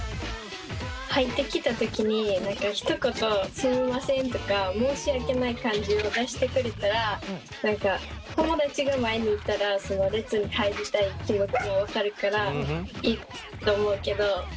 入ってきたときに何かひと言「すみません」とか申し訳ない感じを出してくれたら何か友だちが前にいたらその列に入りたい気持ちも分かるからいいと思うけど。